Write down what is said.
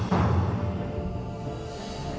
ibu adalah ibu baru